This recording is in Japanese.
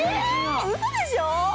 ウソでしょ？